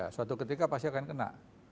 suatu ketika pasti akan kena